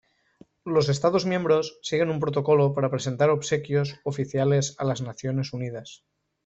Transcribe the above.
Los estados miembros siguen un protocolo para presentar obsequios oficiales a las Naciones Unidas.